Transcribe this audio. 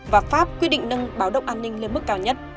và pháp quyết định nâng báo động an ninh lên mức cao nhất